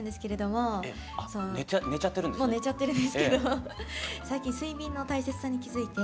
もう寝ちゃってるんですけど最近睡眠の大切さに気付いて。